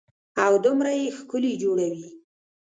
او دومره يې ښکلي جوړوي.